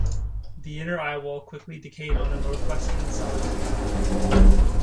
The inner eyewall quickly decayed on the northwestern side.